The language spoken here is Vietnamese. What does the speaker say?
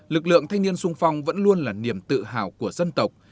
lực lượng thanh niên sung phong vẫn luôn là niềm tự hào của dân tộc